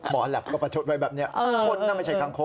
หมอแหลบก็ประชุดไว้แบบนี้คนนั้นไม่ใช่คางโค้ก